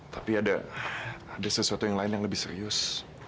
tapi ada sesuatu yang lain yang lebih serius